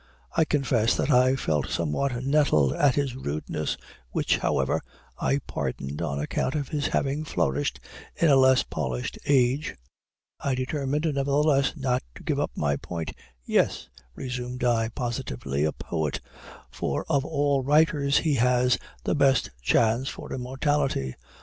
I confess that I felt somewhat nettled at this rudeness, which, however, I pardoned on account of his having flourished in a less polished age. I determined, nevertheless, not to give up my point. "Yes," resumed I, positively, "a poet; for of all writers he has the best chance for immortality.